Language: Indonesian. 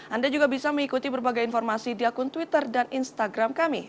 anda juga bisa mengikuti berbagai informasi di akun twitter dan instagram kami